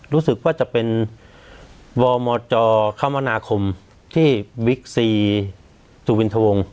รู้สึกว่าจะเป็นวมจคมนาคมที่บิ๊กซีสุวินทวง